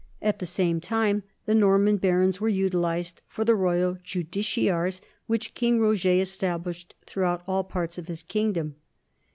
At the same time the Norman barons were util ized for the royal justiciars which King Roger estab lished throughout all parts of his kingdom.